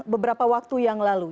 beberapa waktu yang lalu